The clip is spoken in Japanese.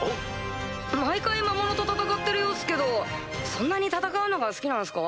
毎回魔物と戦ってるようっすけどそんなに戦うのが好きなんすか？